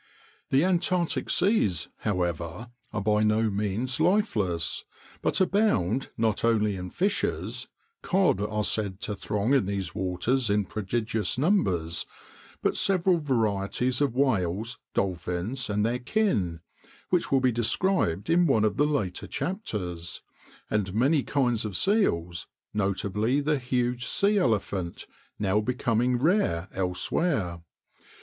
] The Antarctic seas, however, are by no means lifeless, but abound not only in fishes,—cod are said to throng in these waters in prodigious numbers,—but several varieties of whales, dolphins, and their kin (which will be described in one of the later chapters), and many kinds of seals, notably the huge sea elephant, now becoming rare elsewhere.